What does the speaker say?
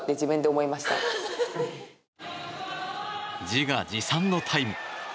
自画自賛のタイム。